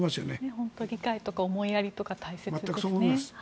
本当に理解とか思いやりとか大切ですね。